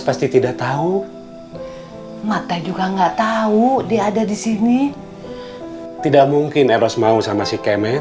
pasti tidak tahu mata juga nggak tahu dia ada di sini tidak mungkin eros mau sama si kemen